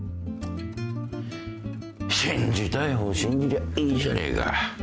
信じたい方信じりゃいいじゃねえか。